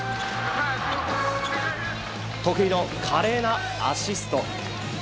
得意の華麗なアシスト。